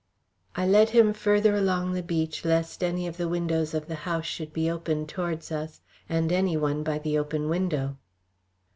I led him further along the beach lest any of the windows of the house should be open towards us, and any one by the open window.